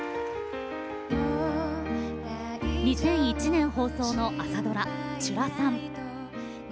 ２００１年放送の朝ドラ「ちゅらさん」。